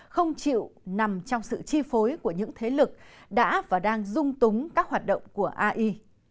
không chịu nằm trong sự chi phối của những thế lực đã và đang dung túng các hoạt động của ai